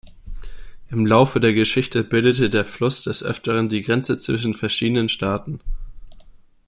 Im Laufe der Geschichte bildete der Fluss des Öfteren die Grenze zwischen verschiedenen Staaten.